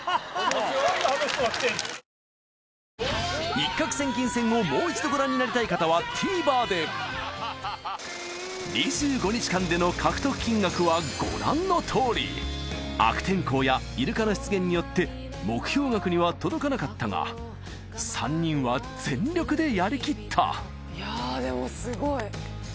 『一攫千金船』をもう一度ご覧になりたい方はＴＶｅｒで２５日間での獲得金額はご覧のとおり悪天候やイルカの出現によって目標額には届かなかったが３人は全力でやり切ったいやでもすごい。